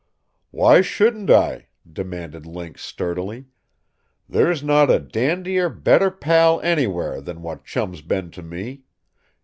"Why shouldn't I?" demanded Link sturdily. "There's not a dandier, better pal anywhere, than what Chum's been to me.